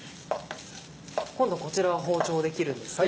今度こちらは包丁で切るんですね。